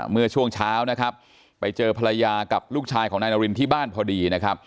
เมื่อช่วงเช้านะครับไปเจอภรรยากับลูกชายของนายนารินที่บ้านพอดีนะครับ